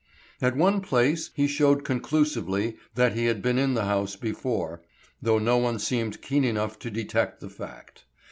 At one place he showed conclusively that he had been in the house before, though no one seemed keen enough to detect the fact.